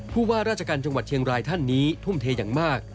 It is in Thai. ผู้ว่าราชการจังหวัดเชียงรายท่านนี้ทุ่มเทอย่างมาก